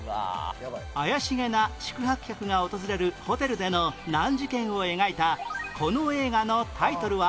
怪しげな宿泊客が訪れるホテルでの難事件を描いたこの映画のタイトルは？